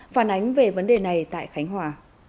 phản ánh về vấn đề này tại khánh hòa